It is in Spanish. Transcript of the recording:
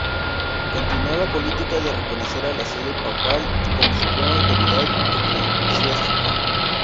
Continuó la política de reconocer a la sede papal como suprema autoridad eclesiástica.